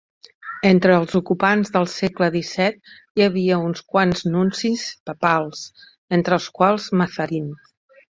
Entre els ocupants del segle XVII hi havia uns quants nuncis papals, entre els quals Mazarin.